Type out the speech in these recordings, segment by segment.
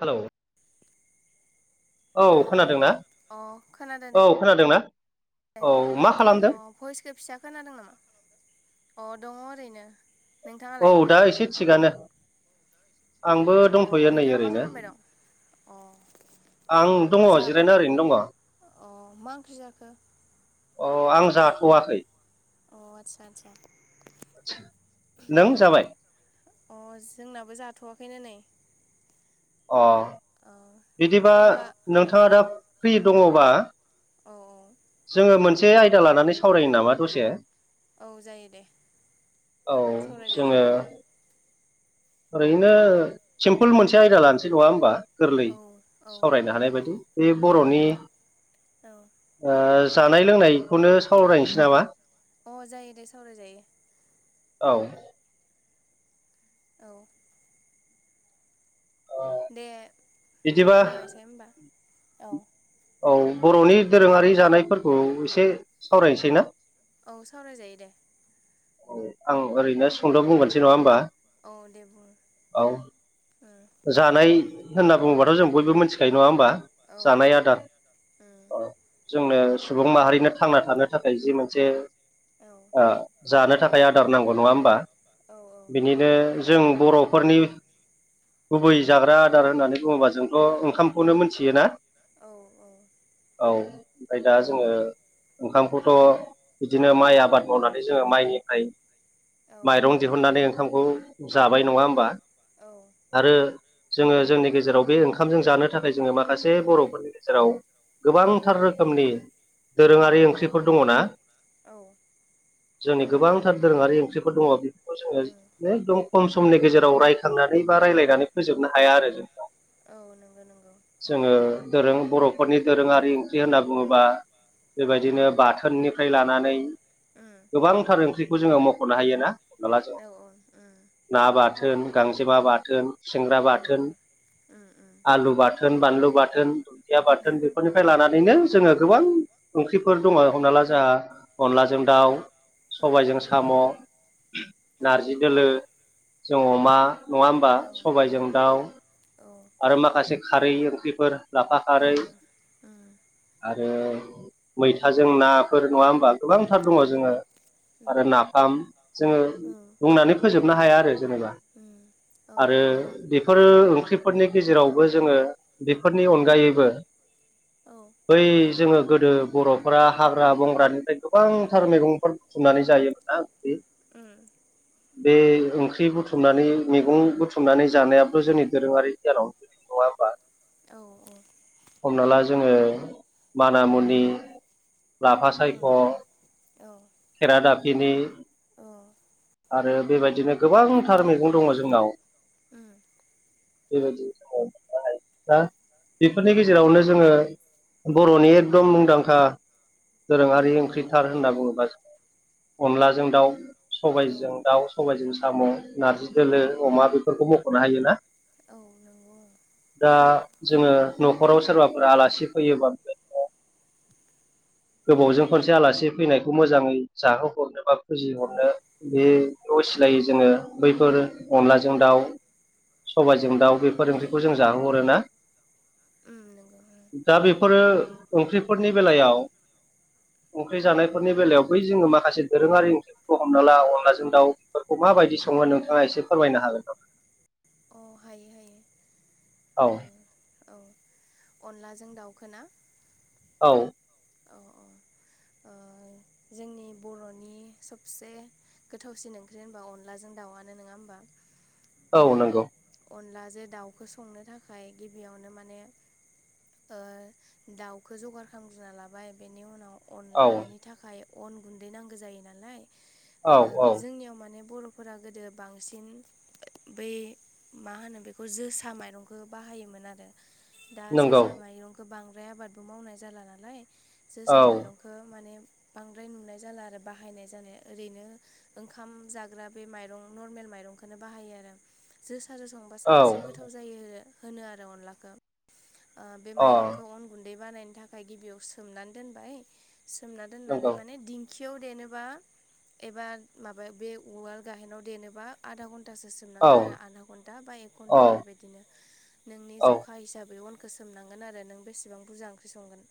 Hello औ hello खोनादोंना अ खोनादों औ दे खोनादोंना औ मा खालामदों? अ भइसखौ फिसा खोनादों नामा अ दङ ओरैनो औ नोंथाङालाय दा एसे थिगानो आंबो अ दंथ'यो नै नोंथाङा मा ओरैनो खालामबाय दं अ आं दङ जा जिरायना ओरैनो दङ अ मा ओंख्रि जाखो अ आं जाथ'वाखै अ आतसा आतसा नों जाबाय? अ जोंनाबो जाथ'वाखैनो नै। अ अ बिदिबा होमबा औ नोंथाङा दा फ्रि दङबा औ औ जोङो मोनसे आयदा लानानै सावरायो नामा दसे। औ जायो दे औ जोङो सावरायजायो ओं। ओरैनो सिम्पुल मोनसे आयदा लानोसै नङा होमबा गोरलै औ औ सावरायनो हानाय बायदि। बे उम बर'नि औ ओ जानाय लोंनाय बेखौनो सावरायनोसै नामा? अ जायो दे सावरायजायो औ। औ अ दे बुंनायसै होमबा औ औ बर'नि दोरोङारि जानायफोरखौ एसे सावरायनोसै ना। औ सावरायजायो दे। औ आं ओरैनो सुंद' बुंगोरनसै नङा होमबा। औ दे बुं औ ओ जानाय होनना बुङोबाथ' जों बयबो मिथिखायो नङा होमबा। औ औ जानाय आदार उम औ जोंनो सुबुं माहारिनो थांना थानो थाखाय जि मोनसे औ ओ जानो थाखाय आदार नांगौ नङा होमबा औ उम औ उम औ उम औ दङ बिनिनो जों बर'फोरनि गुबै जाग्रा आदार होननानै बुङोबा जोंथ' ओंखामखौनो मोनथियोना। औ ओमफाय दा जोङो ओंखामखौथ' बिदिनो माइ आबाद मावनानै जोङो माइनिफ्राय माइरं दिहुननानै ओंखामखौ जाबाय नङा होमबा। औ आरो जोङो जोंनि गेजेराव बे ओंखामजों जानो थाखाय जोङो माखासे बर'फोरनि गेजेराव गोबांथार रोखोमनि दोरोङारि ओंख्रिफोर दङ'ना। जोंनि दङ गोबांथार दोरोङारि ओंख्रिफोर दङ' बेफोरखौ जोङो उम एकदम खम समनि गेजेराव रायखांनानै बा रायलायनानै फोजोबनो हाया आरो जों दा औ नंगौ नंगौ जोङो दोरों बर'फोरनि दोरोङारि ओंख्रि होनना बुङोबा बेबायदिनो बाथोननिफ्राय लानानै उम गोबांथार ओंख्रिखौ जोङो मख'नो हायो ना हमना ला जोङो। औ उम उम ना बाथोन गांजेमा बाथोन खुसेंग्रा उम बाथोन उम आलु बाथोन बानलु बाथोन दुन्दिया बाथोन बेफोरनिफ्राय लानानैनो जोङो गोबां उम ओंख्रिफोर दङ' हमना ला जोंहा अनलाजों दाउ उम सबायजों साम' औ उम औ नारजि दोलोजों अमा नङा होमबा सबायजों उम उम दाउ आरो माखासे खारै ओंख्रिफोर लाफा खारै आरो मैथाजों नाफोर नङा होमबा गोबांथार दङ' जोङो आरो नाफाम जोङो बुंनानै फोजोबनो हाया आरो जेनेबा। [inaudible] आरो नंगौ बेफोर ओंख्रिफोरनि गेजेरावबो जोङो बेफोरनि अनगायैबो औ बै जोङो गोदो बर'फोरा हाग्रा बंग्रानिफ्राय गोबांथार मैगंफोर बुथुमनानै जायोमोन दा बि उम बे ओंख्रि बुथुमनानै मैगं बुथुम बुथुमनानै जानायाबोथ' जोंनि दोरोङारि गियानावनो गोलैयो नङा होमा औ औ हमना ला जोङो मानामुनि लाफा सायख' खेरादाफिनि ओ आरो बेबायदिनो गोबांथार मैगं दङ' जोंनाव बेबायदि जोङोनो हायो दा बेफोरनि गेजेरावनो जोङो बर'नि एकदम मुंदांखा दोरोङारि ओंख्रिथार होनना बुङोबा अनलाजों दाउ उम सबायाइजों दाउ सबायाइजों साम' औ उम नारजि दोलो औ अमा बेफोरखौ मख'नो हायोना औ नंगौ दा जोङो न'खराव सोरबाफोर आलासि फैयोबा गोबावजों खनसे आलासि फैनायखौ मोजाङै जाहोहरनो बा फुजिहरनो बेखौ सिलायो जोङो बैफोर अनलाजों दाउ सबायजों दाउ बेफोर औ ओंख्रिखौ जों जाहोहरोना उम नंगौ उम दा बेफोर आरो ओंख्रिफोरनि बेलायाव ओंख्रि जानायफोरनि बेलायाव बै जोङो माखासे दोरोङारि ओंख्रि हमना ला अनलाजों दाउफोरखौ माबायदि सङो नोंथाङा एसे फोरमायनो हागोन। औ हायो हायो औ। औ अनलाजों दाउखोना औ। औ औ जोंनि बर'नि सबसे गोथावसिन ओंख्रि होनबा अनलाजों दाउआनो नङा होमबा औ बे नंगौ अनलाजोंे दाउखौ संनो थाखाय गिबियावनो माने दाउखौ जगार खालामग्रोना लाबो माय बेनि उनाव औ अनलानि थाखाय अन गुन्दै नांगौ जायो नालाय। औ औ जोंनियाव माने बर'फोरा गोदो बांसिन बै मा होनो बेखौ जोसा माइरंखौ बाहायोमोन आरो। दा नंगौ जोसा माइरंखौ बांद्राय आबादबो मावनाय जाला नालाय जोसा औ माइरंखौ। खौ माने बांद्राय नुनाय जाला आरो बाहायनाय जानाया ओरैनो ओंखाम जाग्रा बे माइरं नर्मेल माइरंखौोननो बाहायो आरो जोसा जो संब बा औ साबसिन गोथाव जायो होनो आरो अनलाखौ बे अ माइरंखौ अन गुन्दै बानायनो थाखाय गिबियाव सोमनानै दोनबाय सोमना दोननानै नंगौ माने दिं खियाव देनोोबा एबा माबायाव बे उवाल गाहेनाव देनोबा आधा घन्टासो [inaudible] औ सोमोननांगोन औ औ आरो नों बेसेबां बुरजा ओंख्रि संगोन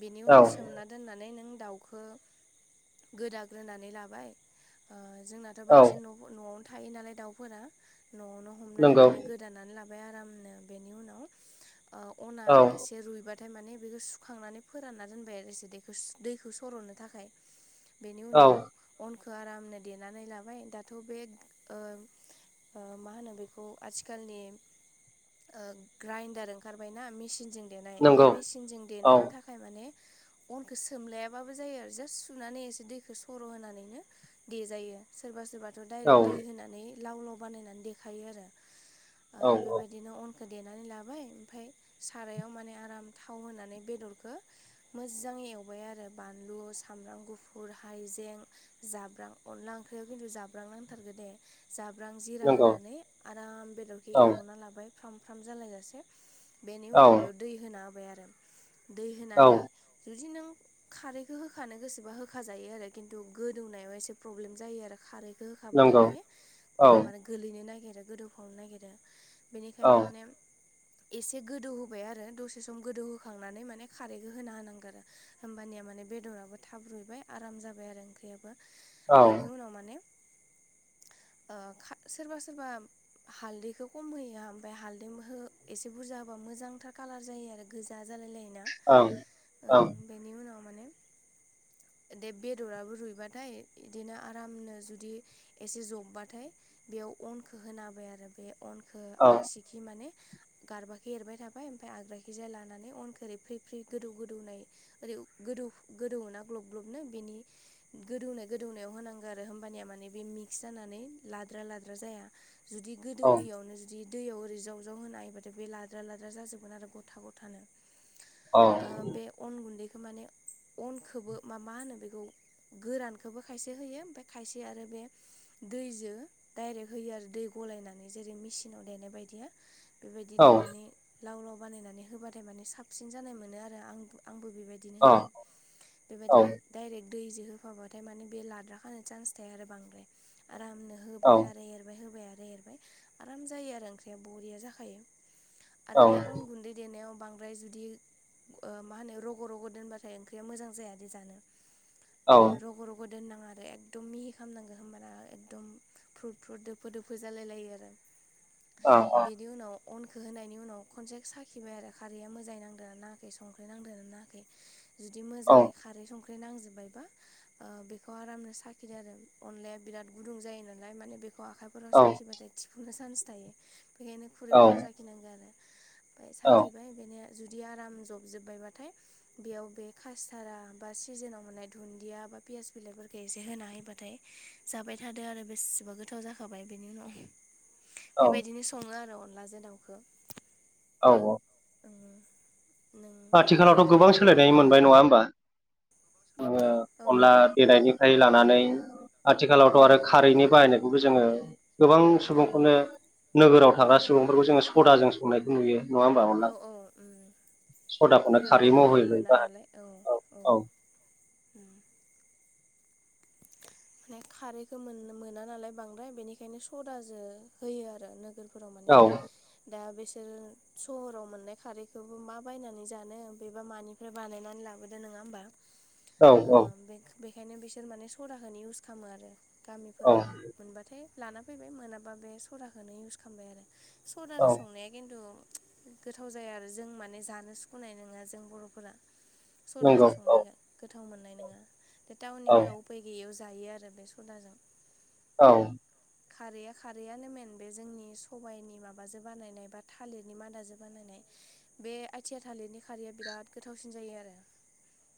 बेनि औ उनाव सोन दोननानै नों दाउखौ गोदाग्रोनानै लाबाय जोंना ' औ बांसि न'आवनो थायो नालाय दाउफोरा न'आवनो हमनानै नंगौ मान नानै ला आर बेनि उनाव अ औ ए रुइबाथाय माने बेखौ सुखांनानै फोरानना दोनबाय आरो दैखौ सर'नो थाखाय बेनि उनाव औ अनखौ आरामनो देनानै लाबाय दाथ' बे ओ मा होनो बेखौ आथिखालनि ओ ग्राइडार ओंखारबायना मेचनजों देनाय बे नंगौ मेचनजों औ देनोबा थाखाय ाय माने अनखौ सोमलायाबाबो जायो आरो जास्ट सुनानै एसे दैखौो सर' होनानैनो देजायो। सोरबा सोरबाथ' औ डाइरेक्ट दै होनानै लाव लाव बानायनानै देखायो आरो। औ बेबायदिनो अन खौ देनानै लाबाय ओमफ्राय सारायाव माने आराम थाव होनानै बेदरखौ मोजाङै एवबाय आरो बानलु सामब्राम गुफुर हाइजें जाब्रां अनला ओंख्रियाव खिन्थु जाब्रां नांथारगो दे जाब्रां जिरा नंगौ होनानै आराम बेदरखौ‌ औ एवना लाबाय फ्राम फ्राम जालायजासे बेनि उनाव औ बेयाव दै होना होबाय आरो दै औ होनानै जुदि नों खारैखौ होखानो गोसोबा होख जायो आरो खिन्थु गोदौनायाव एसे प्रब्लेम जायो आरो खारैखौ बेखौ होखाबाथाय नंगौ माने औ माबानो गोलैनो नागिरो गोदौफावनो नागिरो औ बेनिखायनो माने एसे गोदौ होबाय आरो दसे सम गोदौहोखांनानै माने खारैखौ होना होनांगोन आरो होमबानिया माने बेदराबो थाब रुइबाय आराम जाबाय आरो ओंख्रियाबो औ बेनि उनाव मानेओ सोरबा सोरबा हालदैखौ खम होयो ओमफफ्राय हालदै एसे बुरजा होबा मोजांथार कालार जायो आरो गोजा जालाय लायो ना ओं ओं बेनि उनाव माने दे बेदराबो रुइबाथाय बिदिनो आरामनो जुदि एसे जब्बाथाय बेयाव अनखौ होनाबाय आरो बे अनखौ औ ओ‌ आगसि माने गारबाखौ एरबाय थाबाय ओम आग्राथिं लानानै फ्रि गोदौ गोदौनाय ओरै गोदौ गोदौ ना ग्लब ग्लबनो बेनि गोदौनाय गोदौनायाव होनांगौ आरो होमबानिया माने बे मिक्स जानानै लाद्रा लाद्रा जाया जुदि गोदौयावनो बि दैयाव ओरै जाव जाव होनो हायोबाथाय बे लाद्रा लाद्रा जाजोबगोन आरो गथा गथानो औ ओ बे अन गुन्दैखौ माने अनखौबो मा मा होनो बेखौ गोरानखौबो खायसे होयो ओमफ्राय खायसे आरो बे दैजों डाइरेक्ट होयो आरो दै गलायनानै जेरै मेसिनाव देनाय बायदिया बेबायदि औ देनानै लाव लाव बानायनानै होबाथाय माने साबसिन जानाय मोनो आरो आं आंबो बेबायदि बिदिनो होयो बेबायदि दइरेक्ट दै जि होफाबाथाय माने बे लाद्राखानो चान्स थायो आरो बांद्राय आरामनो होबाय आरो एरबाय होबाय आरो एरबाय आराम जायो आरो ओंख्रिया बरिया जाखायो आरो बे अन गुन्दै देनायाव बांद्राय जुदि मा होनो रग' रग' दोनबाथाय ओंख्रिया मोजां जायादि जानो ओ रग' रग' दोननाङा आरो एकम एकदम मिहि खालामनांगो होनोमबाना एकदम फ्रुट फ्रुट दोफो दोफो जालाय लायो आरो बेनि उनाव अनखौ होनायनि उनाव खनसे साखिबाय आरो खारैया मोजाङै नांदों ना संख्रि नांदेर नाङाखै जुदि मोजाङै खारै संख्रि नांजोब्बायबा बेखौ आरामनो साखिदो आरो अनलाया बिराद गुदुं जायो नालाय माने बेखौ आखाय फोराव साखिबाथाय थिफुंनो चान्स थायो बेखायनो खुरैफोराव साखिनांगौ आरो ओमफ्राय साखिबाय बेनि जुदि आराम जबजोब्बायबाथाय बेयाव बे खासारा बा सिजोनाव माने दुन्दिया बा पियास बिलाइफोरखौ एसे होना होबाथाय जाबाय थादो आरो बेसेबा गोथाव जाखाबाय बेनि उनाव [inaudible] औ बेबायदिनो सङो आरो अनलाजों दाउखौ औ औ ङ आथिखालावथ' गोबां सोलायनाय औ मोनबाय नङा होमबा? ओ औ अनला बेनायनिफ्राय लानानै आथिखालावथ' उम आरो खारैनि बाहायनो बे जोङो गोबां औ सुबुंफोरनो नोगोराव थाग्रा उम सुबुं फोरखौ जोङो सदाजों संनायखौ नुयो। नङा होमबा अनला औ औ। सदाखौनो नोगोराव खारै महरै मोना बाहायो नालाय औ औ। [inaudible] ओमफ्राय खारैखौ मोन मोना नालाय बांद्राय बेनिखायनो सदाजों होयो आरो नोगोर फोराव माने औ दा बिसोरो सहराव मोननाय खारैखौबो मा बायनानै जानो, बेबा मानि फ्राय बानायनानै लाबोदो नङा होनबा? [inaudible] औ बेखायनो बिसोर माने सदाखौनो इउस खालामो आरो औ गामिफोराव मोनबाथाय लाना फैबाय मोनाबा बे सदाखौनो इउस खालामबाय आरो। सदाजों औ संनाया खिन्थु गोथाव जाया आरो, जों माने जानो सुखुनाय नङा जों बर'फोरा सदाजो नंगौ औ संनायखौ। गोथाव मोननाय नङा बे औ टाउननिफोराव उफाय गैयैयाव जायो आरो बे सदाजों। औ खारैया खारैआनो मेन बे जोंनि सबायाइनि माबाजों बानायनाय बा थालिरनि मादाजों बानायनाय बे आथिया थालिरनि खारिया बिराद गोथावसिन जायो आरो।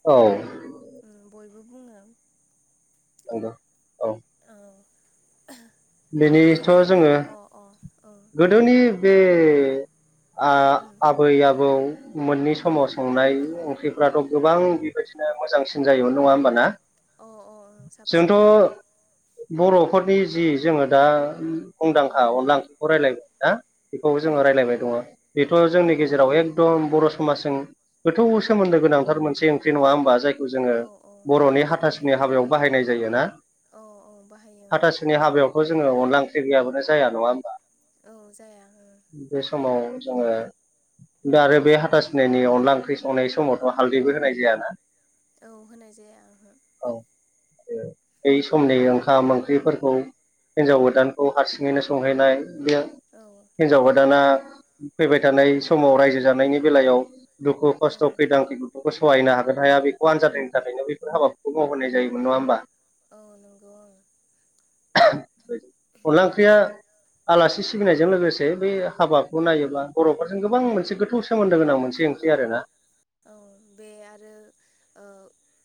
औ बयबो बुङो। नंगौ औ। औ बेनिथ' बेबायदिनो जोङो अ अ औ। गोदोनि बे ओ उम आबै आबौ मोननै उम समाव संनाय ओंख्रि फोराथ' गोबां बेबायदिनो मोजांसिन जायोमोन नङा होमबाना? अ औ ओं साबसिन जोंथ' जायोमोन। बर'फोरनि जि जोङो दा मुंदांखा उम अनदला ओख्रिखौ रायलायबाय ना? बेखौ औ जोङो रायज्लायबाय दङ बेथ' जोंनि उम गेजेराव एकदम बर' समाजजों गोथौ सोमोन्दो गोनांथार मोनसे ओंख्रि नङा ओमबा जाय जोङो औ औ औ बरनि सोमोन्दो हाथासुनि गोनां हाबायाव बाहानाय जायोना? औ औ बाहायो ओं हाथासुनि नि हाबायाव' जो अनला ओंख्रि गैयाबानो जाया नङा होमबा? औ जाया। बे समाव जोङो दा आरो बे हाथा सुनिनि अनला ओंख्रि संनाय समावथ' हालदैबो होनाय जायाना। औ होनाय जाया ओंहो। औ बै समनि ओं ओंखाम ओंख्रिफोर खौ हिन्जाव गोदानखौ हारसिङैनो संहोनाय बे औ हिनजाव गोदाना फैबाय थानाय समाव रायजो जानायनि बेलायाव दुखु औ खस्थ खैदां खै सहायनो हागोन हाया बेखौ आनजादनि थाखायनो बेफोर हाबाफोरखौ मावहोनाय जायो नङा होमबा? औ नंगौ औ। अनला ओंख्रिआ आलासि सिबिनायजों लोगोसे बे हाबाखौ नायोब्ला बर'फोरजों गोबां मोनसे गोथौ सोमोन्दो गोनां मोनसे औ ओंख्रि आरोना औ बे आरो ओ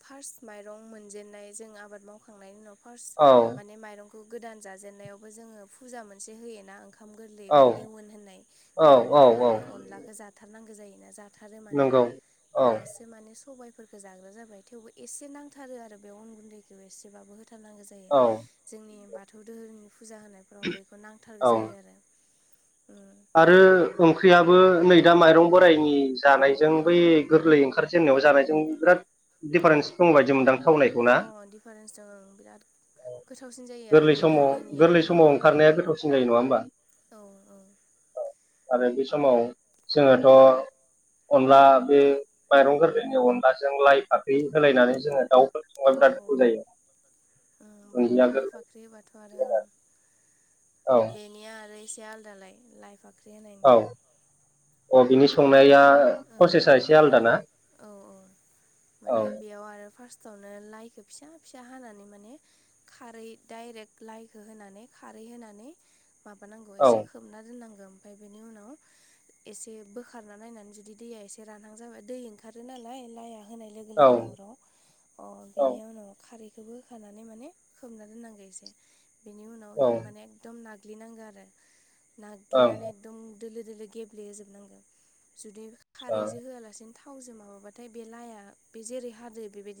फार्स्ट माइरं मोनजेनन्नाय जों आबाद मावखांनायनि उनाव फार्स्ट औ माने माइरंखौ गोदान जाजेननायावबो जोङो फुजा मोनसे होयोना ओंखा खाम गोरलै बा औ नेेवन होननाय औ औ बेयावबोथ' औ माने अनलाखौ जाथारनांगौ जायोना जा थारो माने नंगौ औ दास माने सबायफोरखौ जाग्रा जाबाय थेवबो एसे नांथारो आरो बे अन गुन्दैखौ एसेबाबो होथारनांगौ। जायो औ जोंनि बाथौ दोहोरोमनि फुजा होनायफ्राव बेखौ नांथारगौ औ जायो आरो। उम आरो ओंख्रियाबो नै दा माइरं बोराइनि जानायजों बै गोरलै ओंखार जोमनायाव जानायजों बिराद दिडिफारेन्स दं बायदि मोनदां। थावनायखौ ना अ डिफारेन्स दं ओं बिराद गोथावसिन जायो आरो गोरलै बे समाव गोरलैनिया गोरलै ओम समाव ओंखारनाया गोथावसिन जायो नङा होमबा औ औ। आरो बे समाव जोङोथ' अनला बे माइरं गोरलैनि अनलाजों लाइ फाख्रि होलायनानै जोङो दाउ खौ संबा बेराद गोथाव जायो। ओं बा दुन्दिया आलाय गोरलै फाख्रि होबाथ' आरो ओं। औ बेनिया आरो इसे आलदालाय लाइफा औ अ बिनि संनाया ओं प्रसेसा एसे आलदा ना? औ औ। औ माने बेयाव आरो फार्स्टआवनो लाइखौ फिसा फिसा हानानै माने खारै डाइरेक्ट लाइखौ होनानै खारै होनानै माबानांगौ औ एसे खोबना दोननांगौ ओमफाय बेनि उनाव एसे बोखारना नायनानै जुदि दैया एसे रानहांं जाबा दै ओं खारो नालाय लाइाया होनाय लोगो औ लोगोनो अ'राव अ औ बेनि उनाव खारैखौबो होखानानै माने खोबना दोननांगौ एसे। बेनि उनाव औ बेखौ ओं माने एकदम नाग्लिनांगो आरो नाग्लिनानै आदसा एकदम दोलो दोलो गेब्ले होजोबनांगोन जुदि खारैजो होआलासिनो थावजों माबाबाथाय बे लाइाया बे जेरै हादो बेबायदि